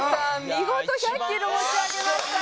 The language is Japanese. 見事１００キロ持ち上げました！